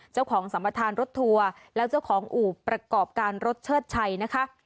เจ้าของสมทานรถทัวร์และเจ้าของอูบประกอบการรถเชิดชัยนะคะ